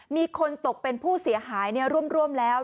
มีคนตกเป็นผู้เสียหายร่วมแล้ว